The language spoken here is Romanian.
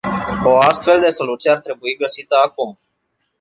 O astfel de soluție ar trebui găsită acum.